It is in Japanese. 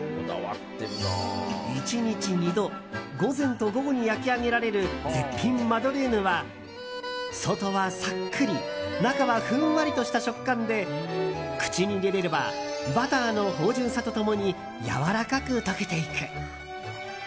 １日２度、午前と午後に焼き上げられる絶品マドレーヌは外はさっくり中はふんわりとした食感で口に入れればバターの芳醇さと共にやわらかく溶けていく。